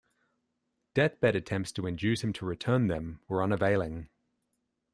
Deathbed attempts to induce him to return them were unavailing.